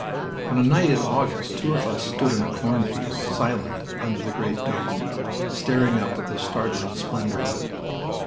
On a night in August two of us stood in a cornfield, silent, under the great dome, staring up at the startling splendor of it.